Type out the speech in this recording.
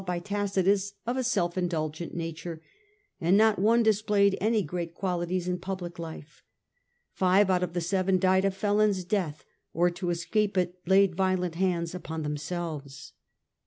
by Tacitus of a self indulgent nature, and not one dis played any great qualities in public life. Five out of the seven died a felon's death, or to escape it laid violent hands upon themselves.